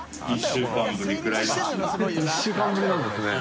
１週間ぶりなんですね。